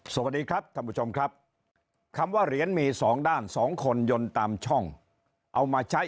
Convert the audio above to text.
สวัสดีครับท่านผู้ชมครับคำว่าเหรียญมีสองด้านสองคนยนต์ตามช่องเอามาใช้